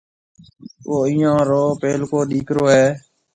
او ايئيون رو پيلڪو ڏِيڪرو هيَ۔